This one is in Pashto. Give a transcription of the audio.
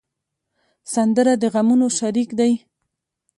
سندره د غمونو شریک دی